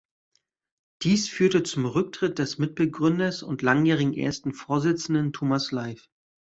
Dies führte zum Rücktritt des Mitbegründers und langjährigen Ersten Vorsitzenden Thomas Leif.